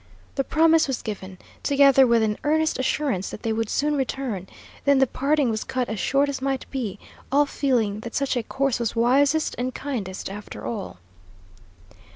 The promise was given, together with an earnest assurance that they would soon return; then the parting was cut as short as might be, all feeling that such a course was wisest and kindest, after all.